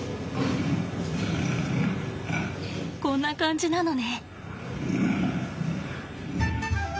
こんな感じなのね。